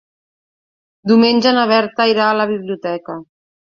Diumenge na Berta irà a la biblioteca.